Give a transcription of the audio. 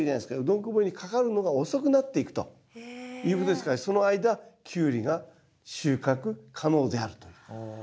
どんこ病にかかるのが遅くなっていくということですからその間キュウリが収穫可能であると。